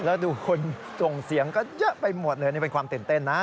แล้วดูคนส่งเสียงก็เยอะไปหมดเลยนี่เป็นความตื่นเต้นนะ